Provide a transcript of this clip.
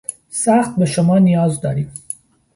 سخت به شما نیاز داریم.